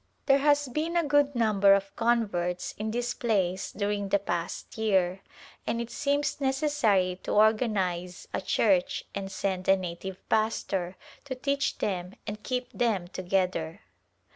There has been a good number of converts in this place during the past year and it seems necessary to or ganize a church and send a native pastor to teach them and keep them together.